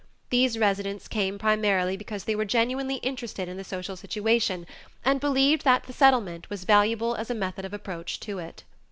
These residents came primarily because they were genuinely interested in the social situation and believed that the Settlement was valuable as a method of approach to it.